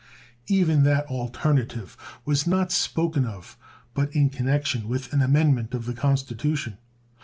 Even that alternative was not spoken of but in connection with an amendment of the Constitution.